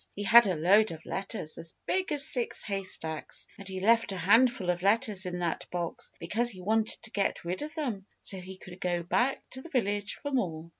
He had a load of letters as big as six haystacks. And he left a handful of letters in that box, because he wanted to get rid of them so he could go back to the village for more.